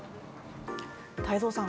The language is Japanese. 太蔵さん